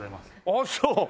ああそう！